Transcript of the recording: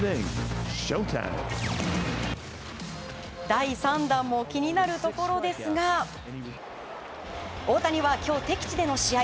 第３弾も気になるところですが大谷は今日、敵地での試合。